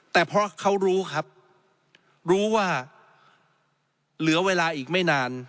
แต่เพราะเขารู้ครับรู้ว่าเหลือเวลาอีกไม่นาน